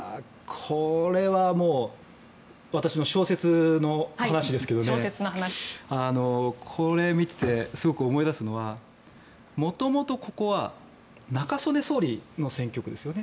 これはもう私の小説の話ですけどこれ見ててすごく思い出すのは元々ここは中曽根総理の選挙区ですよね。